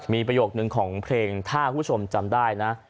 มีประโยคนึงของเพลงถ้าคุณผู้ชมจำได้นะ